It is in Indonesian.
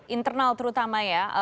internal terutama ya